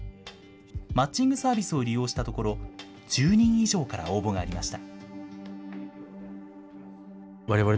マッチングサービスを利用したところ、１０人以上から応募がありました。